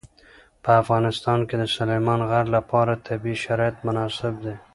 په افغانستان کې د سلیمان غر لپاره طبیعي شرایط مناسب دي.